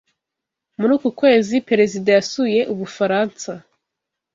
Muri uku kwezi, Perezida yasuye Ubufaransa.